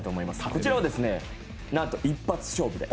こちらは、なんと一発勝負で。